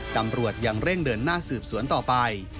ตำรวจยังเร่งเดินหน้าสืบสวนต่อไป